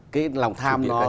cái lòng tham